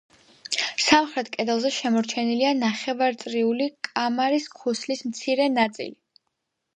სამხრეთ კედელზე შემორჩენილია ნახევარწრიული კამარის ქუსლის მცირე ნაწილი.